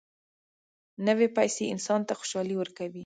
نوې پیسې انسان ته خوشالي ورکوي